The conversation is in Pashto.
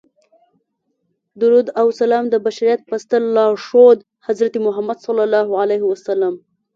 درود او سلام د بشریت په ستر لارښود حضرت محمد صلی الله علیه وسلم.